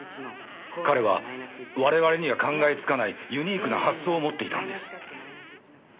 彼は我々には考えつかないユニークな発想を持っていたんです。